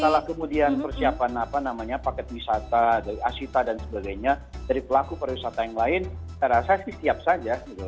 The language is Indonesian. masalah kemudian persiapan apa namanya paket wisata dari asita dan sebagainya dari pelaku pariwisata yang lain saya rasa sih siap saja